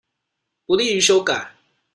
不利於修改